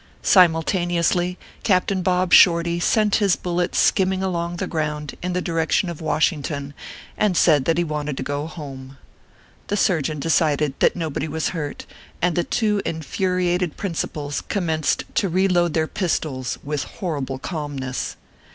Simultaneously, Captain Bob Shorty sent his bullet skimming along the ground, in the direction of Wash ington, and said that he wanted to go home. The surgeon decided that nobody was hurt ; and the two infuriated principals commenced to reload their pistols, with horrible calmness.